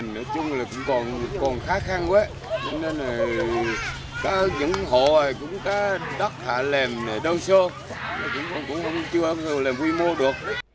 nói chung là cũng còn khá khăn quá cho nên là những hộ cũng có đất hạ lềm đơn số cũng không có quy mô được